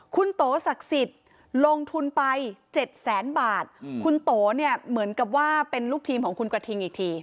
คุณโตศักดิ์สิทธิ์ลงทุนไป๗แสนบาทคุณโตเนี่ยเหมือนกับว่าเป็นลูกทีมของคุณกระทิงอีกที